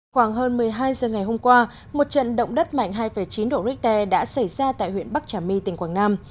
khoảng hơn một mươi hai giờ ngày hôm qua một trận động đất mạnh hai chín độ richter đã xảy ra tại huyện bắc trà my tỉnh quảng nam